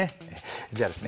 じゃあですね